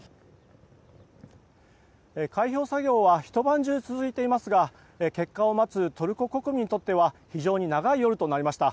開票作業はひと晩中続いていますが結果を待つトルコ国民にとっては非常に長い夜となりました。